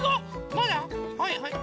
まだはいはい。